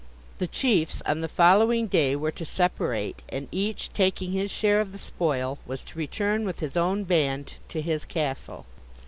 The chiefs on the following day were to separate, and each, taking his share of the spoil, was to return with his own band to his castle.